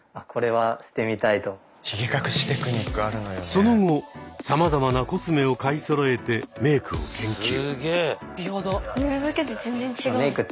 その後さまざまなコスメを買いそろえてメークを研究。